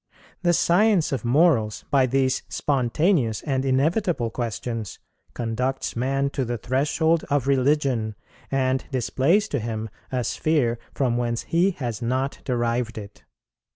The science of morals, by these spontaneous and inevitable questions, conducts man to the threshold of religion, and displays to him a sphere from whence he has not derived it.